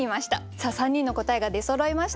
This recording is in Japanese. さあ３人の答えが出そろいました。